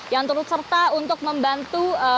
yang turut serta untuk membantu